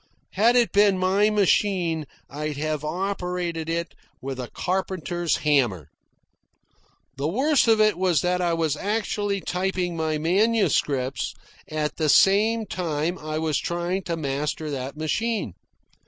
Had it been my machine I'd have operated it with a carpenter's hammer. The worst of it was that I was actually typing my manuscripts at the same time I was trying to master that machine.